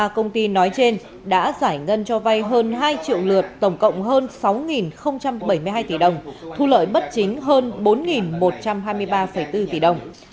ba công ty nói trên đã giải ngân cho vay hơn hai triệu lượt tổng cộng hơn sáu bảy mươi hai tỷ đồng thu lợi bất chính hơn bốn một trăm hai mươi ba bốn tỷ đồng